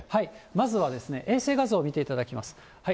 まずは、衛星画像を見ていただきます。